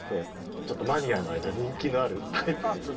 ちょっとマニアの間で人気のタイプですね。